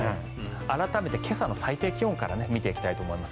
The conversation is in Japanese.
改めて今朝の最低気温から見ていきたいと思います。